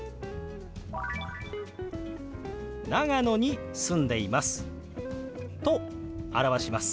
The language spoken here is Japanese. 「長野に住んでいます」と表します。